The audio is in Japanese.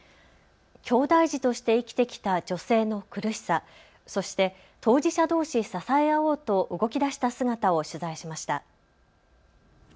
きょうだい児として生きてきた女性の苦しさ、そして当事者どうし支え合おうと動きだした姿を取材しました。